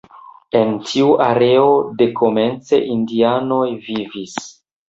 En tiu areo dekomence indianoj vivis.